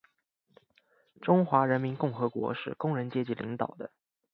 中华人民共和国是工人阶级领导的